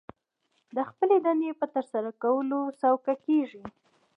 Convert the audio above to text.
د خپلې دندې په ترسره کولو کې سوکه کېږي